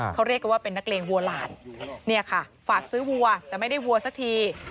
เขาเรียกกันว่าเป็นนักเลงวัวหลานเนี่ยค่ะฝากซื้อวัวแต่ไม่ได้วัวสักที